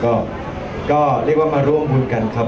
ก็ไม่มีคนกลับมาหรือเปล่า